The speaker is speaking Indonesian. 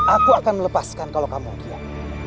aku akan melepaskan kalau kamu giat